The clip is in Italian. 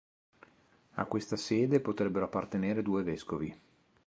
A questa sede potrebbero appartenere due vescovi.